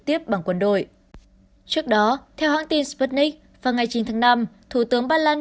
tiếp bằng quân đội trước đó theo hãng tin sputnik vào ngày chín tháng năm thủ tướng poland